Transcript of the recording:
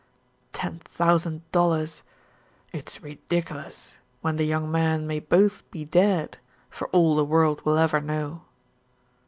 Ten thousand dollars! It's ridiculous, when the young men may both be dead, for all the world will ever know."